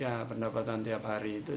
ya pendapatan tiap hari itu